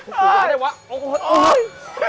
มันอะไรเหรอโอ๊ย